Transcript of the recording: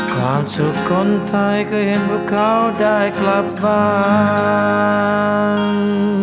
ความชุดคนไทยเคยเห็นว่าเขาได้กลับบ้าน